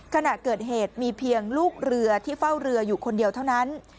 ขณะเกิดเหตุมีเพียงลูกเรือที่เฝ้าเรืออยู่คนเดียวเท่านั้น